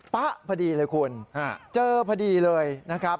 ป๊ะพอดีเลยคุณเจอพอดีเลยนะครับ